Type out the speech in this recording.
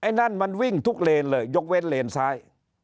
นั่นมันวิ่งทุกเลนเลยยกเว้นเลนซ้าย